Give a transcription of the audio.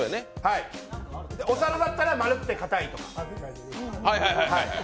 お皿だったら丸くてかたいとか。